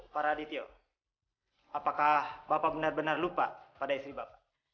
para adityo apakah bapak benar benar lupa pada istri bapak